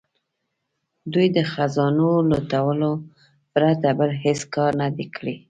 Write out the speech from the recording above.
دوی د خزانو لوټلو پرته بل هیڅ کار نه دی کړی.